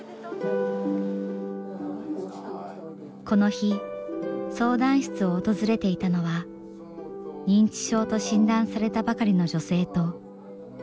この日相談室を訪れていたのは認知症と診断されたばかりの女性とその家族でした。